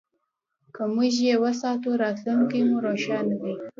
که موږ یې وساتو، راتلونکی مو روښانه دی.